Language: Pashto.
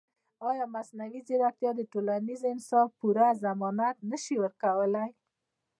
ایا مصنوعي ځیرکتیا د ټولنیز انصاف پوره ضمانت نه شي ورکولی؟